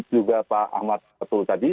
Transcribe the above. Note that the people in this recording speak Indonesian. juga pak ahmad betul tadi